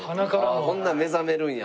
ほんなら目覚めるんや。